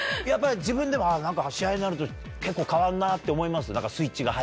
やっぱり自分でもああ、なんか試合になると結構、変わるなって思います？